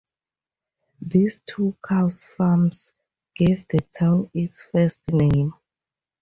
These two cow farms gave the town its first name.